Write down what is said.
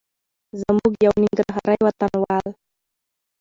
زموږ یو ننګرهاري وطنوال